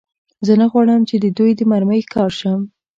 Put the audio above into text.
زه نه غواړم، چې د دوی د مرمۍ ښکار شم.